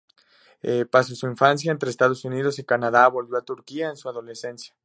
Pasó su infancia entre Estados Unidos y Canadá, volvió a Turquía en su adolescencia.